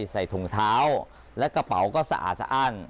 ใส่ถุงเท้าและกระเป๋าก็สะอาดสะอ้าน